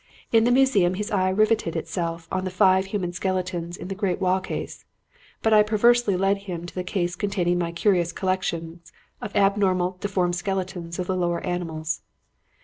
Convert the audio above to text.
In the museum his eye riveted itself on the five human skeletons in the great wall case, but I perversely led him to the case containing my curious collection of abnormal and deformed skeletons of the lower animals.